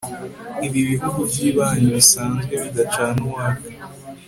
ibi bihugu by'ibanyi bisanzwe bidacana uwaka